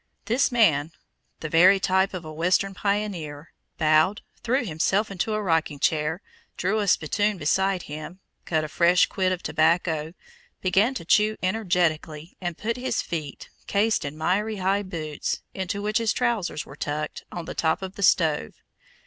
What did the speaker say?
This man, the very type of a Western pioneer, bowed, threw himself into a rocking chair, drew a spittoon beside him, cut a fresh quid of tobacco, began to chew energetically, and put his feet, cased in miry high boots, into which his trousers were tucked, on the top of the stove.